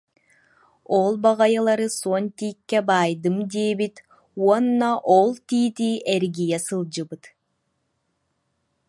Ол баҕайылары суон тииккэ баайдым диэбит уонна ол тиити эргийэ сылдьыбыт